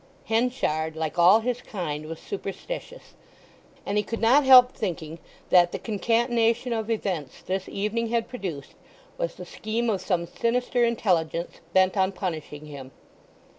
Henchard, like all his kind, was superstitious, and he could not help thinking that the concatenation of events this evening had produced was the scheme of some sinister intelligence bent on punishing him.